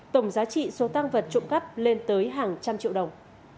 tổng giá trị số tăng vật trộm cắp lên tới hàng trăm triệu đồng